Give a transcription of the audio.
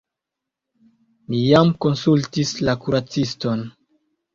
Mi jam konsultis la kuraciston.